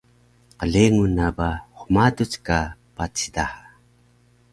qlengun na bale hmaduc ka patis daha